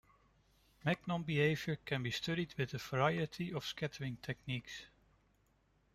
Magnon behavior can be studied with a variety of scattering techniques.